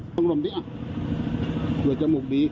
ลงที่นี่เหลือจมูกบี